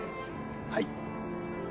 はい。